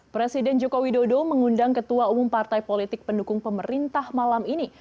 presiden joko widodo mengundang ketua umum partai politik pendukung pemerintah malam ini